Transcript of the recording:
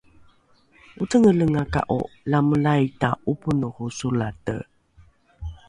ocengelengaka’o lamolaita ’oponoho solate?